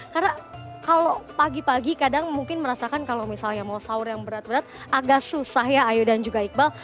karena kalau pagi pagi kadang mungkin merasakan kalau misalnya mau sahur yang berat berat agak susah ya ayu dan juga iqbal